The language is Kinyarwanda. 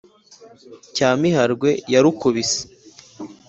cya miharwe ya rukubisi,